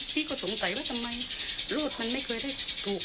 พี่ก็สงสัยว่าทำไมรูดมันไม่เคยได้ถูก